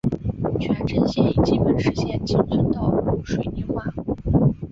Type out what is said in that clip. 全镇现已基本实现进村道路水泥化。